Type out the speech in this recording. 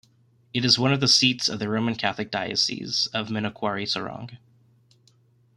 It is one of the seats of the Roman Catholic Diocese of Manokwari-Sorong.